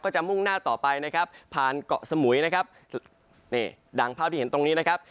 จะมุ่งหน้าต่อไปนะครับผ่านเกาะสมุยนะครับนี่ดังภาพที่เห็นตรงนี้นะครับ